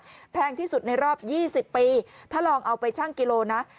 แพงที่สุดในรอบ๒๐ปีถ้าลองเอาไปชั่งกิโลนะ